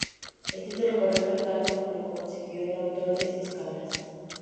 El título correcto, tal como lo concibió el autor, es Escalas.